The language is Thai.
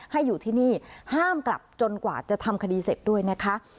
ให้อยู่ที่นี่ห้ามกลับจนกว่าจะทำคดีเสร็จด้วยนะคะ